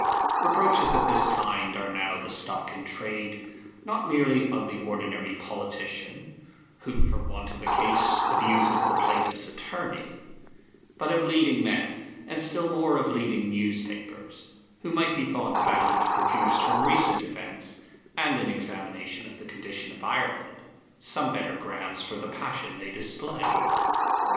Reproaches of this kind are now the stock in trade, not merely of the ordinary politician, who, for want of a case, abuses the plaintiff's attorney, but of leading men, and, still more, of leading newspapers, who might be thought bound to produce from recent events and an examination of the condition of Ireland some better grounds for the passion they display.